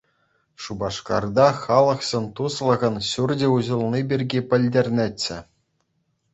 Шупашкарта Халӑхсен туслӑхӗн ҫурчӗ уҫӑлни пирки пӗлтернӗччӗ.